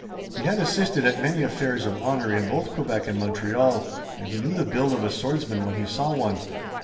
He had assisted at many affairs of honor in both Quebec and Montreal and he knew the build of a swordsman when he saw one.